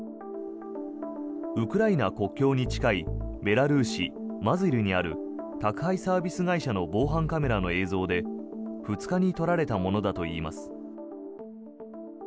ウクライナ国境に近いベラルーシ・マズィルにある宅配サービス会社の防犯カメラの映像で２日に撮られたものだといいます。